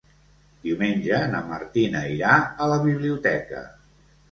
Diumenge na Martina irà a la biblioteca.